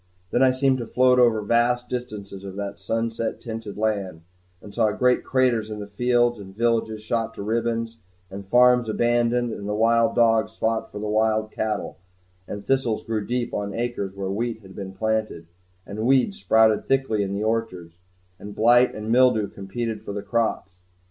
Then I seemed to float over vast distances of that sunset tinted land, and saw great craters in the fields, and villages shot to ribbons, and farms abandoned; and the wild dogs fought for the wild cattle; and thistles grew deep on acres where wheat had been planted, and weeds sprouted thickly in the orchards, and blight and mildew competed for the crops.